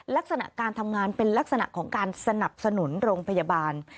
ลักษณะการทำงานเป็นลักษณะของการสนับสนุนโรงพยาบาล